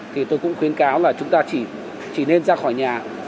thì tôi cũng khuyến cáo là chúng ta chỉ nên ra khỏi nhà